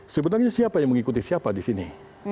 sebenarnya siapa yang mengikuti siapa di sini